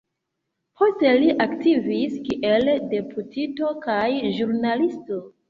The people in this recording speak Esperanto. Poste li aktivis kiel deputito kaj ĵurnalisto.